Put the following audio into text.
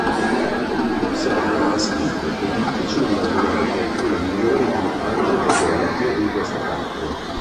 L'"Observer" ha scritto: "È difficile immaginare qualcuno migliore di Angela Gheorghiu in questa parte.